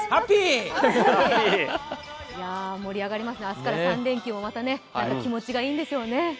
盛り上がりますね、明日から３連休も気持ちがいいんでしょうね。